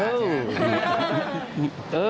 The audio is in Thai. อ้าวโอ้โฮ